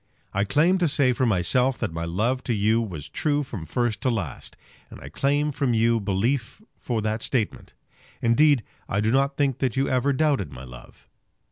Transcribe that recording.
I claim to say for myself that my love to you was true from first to last, and I claim from you belief for that statement. Indeed I do not think that you ever doubted my love.